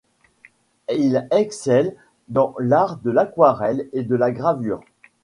Il excelle dans l'art de l'aquarelle et de la gravure.